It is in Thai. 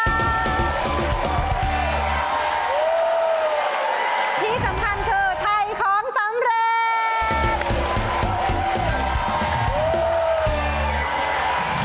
ที่สำคัญคือไทยของสำเร็จ